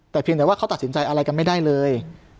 แต่เพียงแต่ว่าเขาตัดสินใจอะไรกันไม่ได้เลย